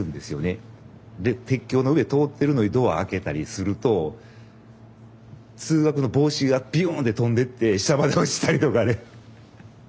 で鉄橋の上通ってるのにドア開けたりすると通学の帽子がビューンッて飛んでって下まで落ちたりとかね。